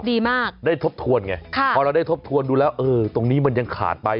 ดีมากได้ทบทวนไงพอเราได้ทบทวนดูแล้วเออตรงนี้มันยังขาดไป